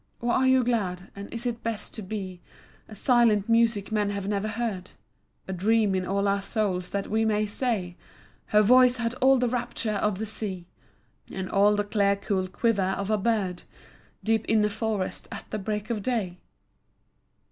Or are you glad and is it best to be A silent music men have never heard, A dream in all our souls that we may say: "Her voice had all the rapture of the sea, And all the clear cool quiver of a bird Deep in a forest at the break of day"?